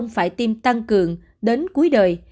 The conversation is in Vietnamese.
phải tiêm tăng cường đến cuối đời